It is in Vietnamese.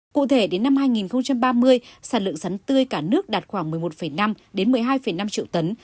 cụ thể đến năm hai nghìn ba mươi sản lượng sắn tươi cả nước đạt khoảng một mươi một năm một mươi hai năm triệu tấn